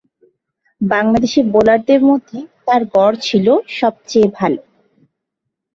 বাংলাদেশী বোলারদের মধ্যে তার গড় ছিল সবচেয়ে ভাল।